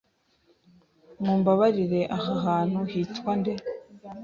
Mumbabarire, aha hantu hitwa nde?